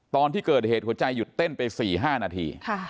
ตอนที่เกิดเหตุหัวใจหยุดเต้นไป๔๕นาที